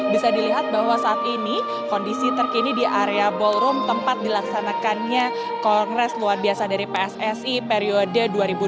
bisa dilihat bahwa saat ini kondisi terkini di area ballroom tempat dilaksanakannya kongres luar biasa dari pssi periode dua ribu dua puluh tiga dua ribu dua puluh tujuh